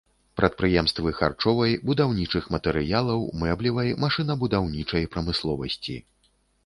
Прадпрыемствы харчовай, будаўнічых матэрыялаў, мэблевай, машынабудаўнічай прамысловасці.